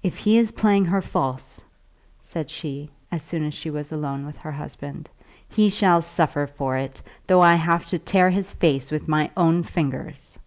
"If he is playing her false," said she, as soon as she was alone with her old husband, "he shall suffer for it, though I have to tear his face with my own fingers."